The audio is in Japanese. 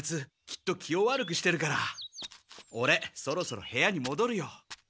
きっと気を悪くしてるからオレそろそろ部屋にもどるよ。